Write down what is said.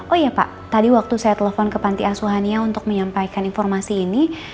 oh iya pak tadi waktu saya telepon ke panti asuhania untuk menyampaikan informasi ini